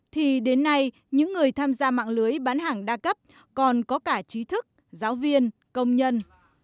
thì đến nay những người tham gia mạng lưới bán hàng đa cấp còn có cả trí thức giáo viên công nhân